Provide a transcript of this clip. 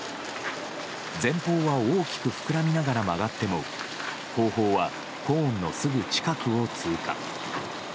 前方は大きく膨らみながら曲がっても後方はコーンのすぐ近くを通過。